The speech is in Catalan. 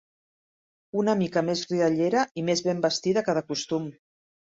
Una mica més riallera i més ben vestida que de costum.